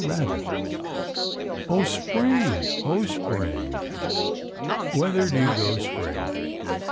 Rabbit. O Spring, Ho, Spring! Whither do you go, Spring?